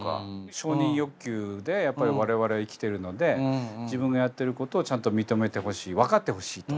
承認欲求でやっぱり我々は生きてるので自分がやっていることをちゃんと認めてほしい分かってほしいと。